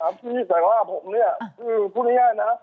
ครับนี่แต่ว่าผมเนี่ยคือพูดง่ายนะ